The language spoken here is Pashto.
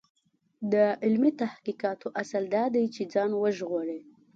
د علمي تحقیقاتو اصل دا دی چې ځان وژغوري.